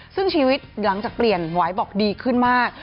ซึ่งชีวิตหลังจากเปลี่ยนไหวบอกดีขึ้นมาก